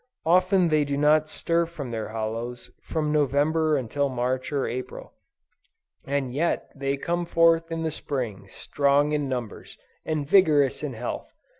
Often they do not stir from their hollows, from November until March or April; and yet they come forth in the Spring, strong in numbers, and vigorous in health.